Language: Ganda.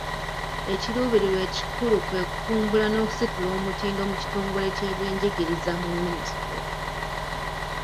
Ekiruubirirwa ekikulu kwe kutumbula n'okusitula omutindo mu kitongole ky'ebyenjigiriza mu minisitule.